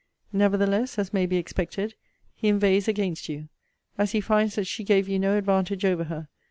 Nevertheless (as may be expected) 'he inveighs against you; as he finds that she gave you no advantage over her.